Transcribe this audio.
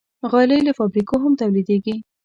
غالۍ له فابریکو هم تولیدېږي.